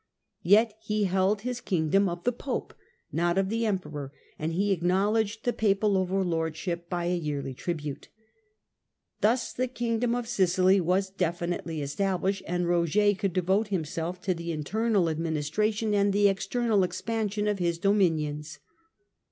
Yet he held his kingdom of the Sdw^^ Pope, not of the Emperor, and he acknowledged the papal overlordship by a yearly tribute. Thus the king dom of Sicily was definitely established, and Eoger could devote himself to the internal administration and the external expansion of his dominions.